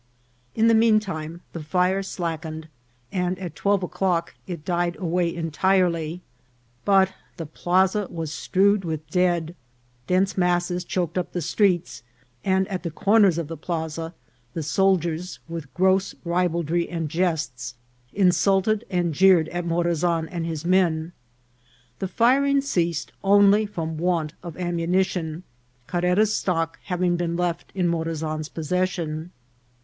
In the mean time the fire slackened, and at twelve o'clock it died away entirely ; but the plaza was strewed with dead, dense masses choked up the streets, and at the corners of the plaza the soldiers, with gross ribaldry and jests, insulted and jeered at Morazan and his men. The firing ceased only from want of ammunition, Car rera's stock having been left in Morazan's possession.